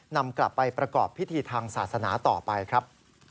นำกลับไปประกอบพิธีทางศาสนาต่อไปครับ